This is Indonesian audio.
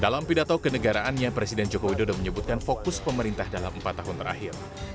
dalam pidato kenegaraannya presiden joko widodo menyebutkan fokus pemerintah dalam empat tahun terakhir